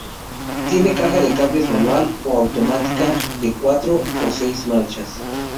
Tiene caja de cambios manual o automática de cuatro o seis marchas.